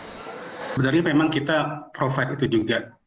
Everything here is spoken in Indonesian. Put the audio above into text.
sebenarnya memang kita provide itu juga